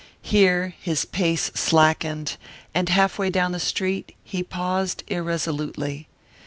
Here his pace slackened, and halfway down the street he paused irresolutely.